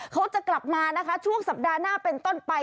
ก็จะกลับมาช่วงสัปดาห์หน้าเป็นต้นไป